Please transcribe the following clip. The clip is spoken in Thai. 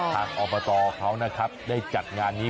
ทางออมมาตอเขานะครับได้จัดงานนี้